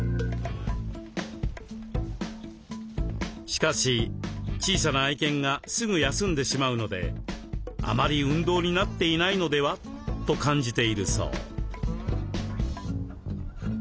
しかし小さな愛犬がすぐ休んでしまうのであまり運動になっていないのでは？と感じているそう。